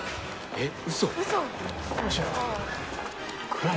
えっ